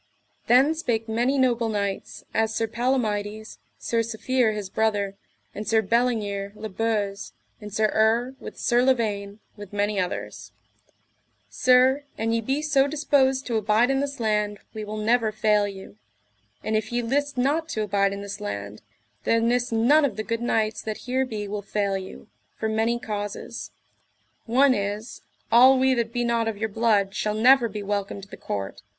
Then spake many noble knights, as Sir Palomides, Sir Safere his brother, and Sir Bellingere le Beuse, and Sir Urre, with Sir Lavaine, with many others: Sir, an ye be so disposed to abide in this land we will never fail you; and if ye list not to abide in this land there nis none of the good knights that here be will fail you, for many causes. One is, all we that be not of your blood shall never be welcome to the court.